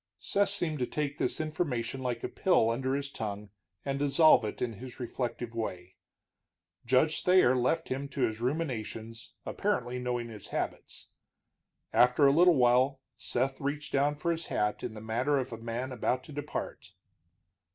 Seth seemed to take this information like a pill under his tongue and dissolve it in his reflective way. Judge Thayer left him to his ruminations, apparently knowing his habits. After a little Seth reached down for his hat in the manner of a man about to depart.